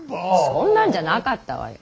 そんなんじゃなかったわよ。